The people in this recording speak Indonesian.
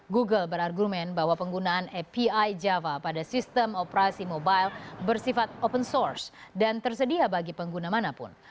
google berargumen bahwa penggunaan api java pada sistem operasi mobile bersifat open source dan tersedia bagi pengguna manapun